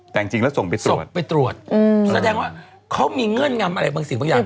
แต่จริงแล้วส่งไปตรวจส่งไปตรวจแสดงว่าเขามีเงื่อนงำอะไรบางสิ่งบางอย่าง